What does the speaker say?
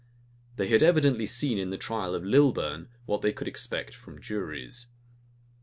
They had evidently seen in the trial of Lilburn what they could expect from juries.